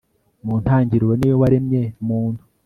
mu ntangiriro, ni we waremye muntu